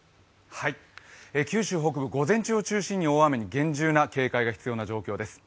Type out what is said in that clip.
九州北部、午前中を中心に大雨に厳重な警戒が必要です。